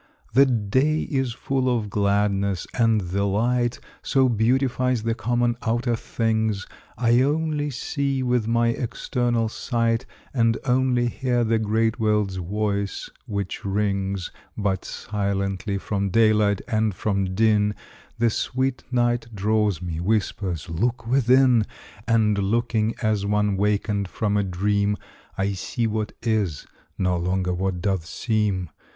The day is full of gladness, and the light So beautifies the common outer things, I only see with my external sight, And only hear the great world's voice which rings But silently from daylight and from din The sweet Night draws me whispers, "Look within!" And looking, as one wakened from a dream, I see what is no longer what doth seem.